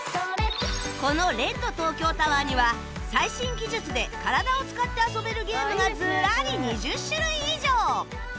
この ＲＥＤ ゜ ＴＯＫＹＯＴＯＷＥＲ には最新技術で体を使って遊べるゲームがずらり２０種類以上！